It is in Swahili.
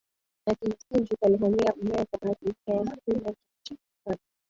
akina Seljuk walihamia Ulaya Kwa bahati mbaya hakuna kinachojulikana